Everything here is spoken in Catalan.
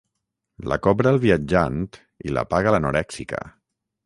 La cobra el viatjant i la paga l'anorèxica.